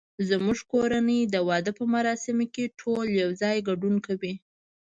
زمونږ کورنۍ د واده په مراسمو کې ټول یو ځای ګډون کوي